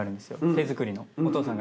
手作りの？